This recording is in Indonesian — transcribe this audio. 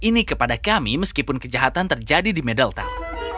kami mencoba untuk menanggung masalah ini meskipun kejahatan terjadi di medeltown